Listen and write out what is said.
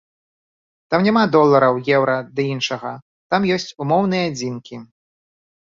Там няма долараў, еўра ды іншага, там ёсць умоўныя адзінкі.